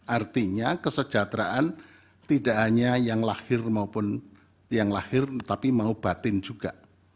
artinya kesejahteraan tidak hanya yang lahir maupun yang lahir tapi mau batin juga